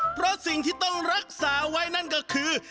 เพราะสิ่งที่ต้องรักษาไว้นั่นก็คือ